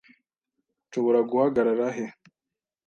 Nshobora guhagarara he?